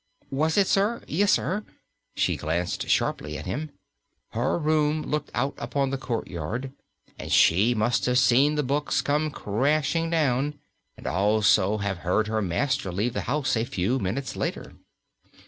"Was it, sir? Yes, sir." She glanced sharply at him. Her room looked out upon the courtyard, and she must have seen the books come crashing down, and also have heard her master leave the house a few minutes later.